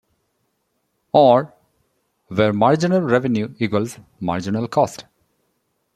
Or, where marginal revenue equals marginal cost.